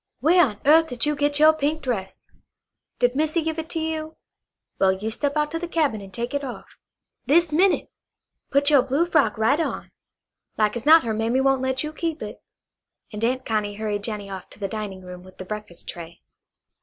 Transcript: "Wha' on earth did you get you' pink dress? Did Missy give it to you? Well, you step out to the cabin and take it off. This minute! Put you' blue frock right on. Like as not her mammy won't let you keep it," and Aunt Connie hurried Jennie off to the dining room with the breakfast tray.